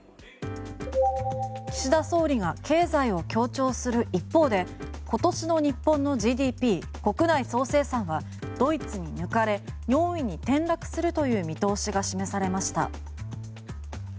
岸田総理が経済を強調する一方で今年の日本のＧＤＰ国内総生産はドイツに抜かれ４位に転落するという見通しが示されました。